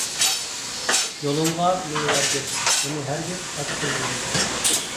يولۇڭغا مېڭىۋەرگىن، ئۇنى ھەرگىز ئاچ قويمايمەن.